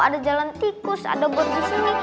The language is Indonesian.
ada jalan tikus ada bot disini